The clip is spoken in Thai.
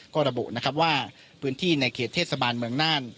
ก็ระบุนะครับว่าพื้นที่ในเขตเทศบาลเมืองน่าน